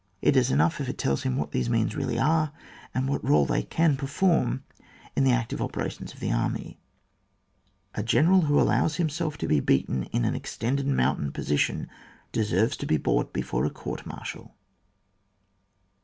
It is enough if it tells him what these means really are, and what role they can perform in the active operations of the army. A general who allows himself to be beaten in an extended mountain position deserves to be brought before a court martial.